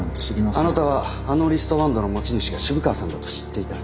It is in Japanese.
あなたはあのリストバンドの持ち主が渋川さんだと知っていた。